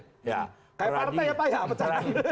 kayak partai apa ya